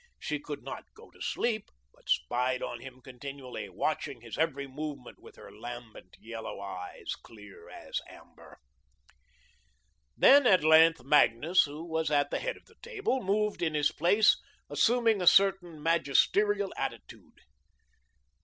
She could not go to sleep, but spied upon him continually, watching his every movement with her lambent, yellow eyes, clear as amber. Then, at length, Magnus, who was at the head of the table, moved in his place, assuming a certain magisterial attitude.